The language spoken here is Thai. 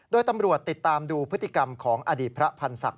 โดยตำรวจติดตามดูพฤติกรรมของอดีตพระพันธ์ศักดิ